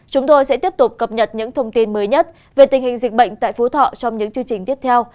chúng tôi sẽ tiếp tục cập nhật những thông tin mới nhất về tình hình dịch bệnh tại phú thọ trong những chương trình tiếp theo